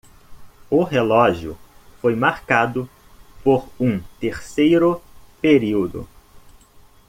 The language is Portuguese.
O relógio foi marcado por um terceiro período.